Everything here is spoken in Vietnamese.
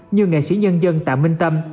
như nghệ sĩ nhân dân tạm minh tâm